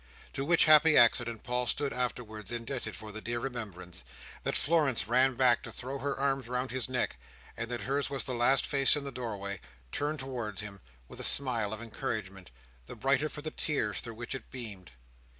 To which happy accident Paul stood afterwards indebted for the dear remembrance, that Florence ran back to throw her arms round his neck, and that hers was the last face in the doorway: turned towards him with a smile of encouragement, the brighter for the tears through which it beamed.